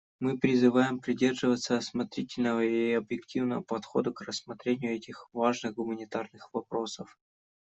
Мы призываем придерживаться осмотрительного и объективного подхода к рассмотрению этих важных гуманитарных вопросов.